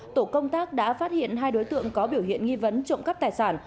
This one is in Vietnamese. tổ công tác đã phát hiện hai đối tượng có biểu hiện nghi vấn trộm cắp tài sản